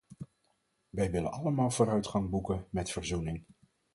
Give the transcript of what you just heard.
Wij willen allemaal vooruitgang boeken met verzoening.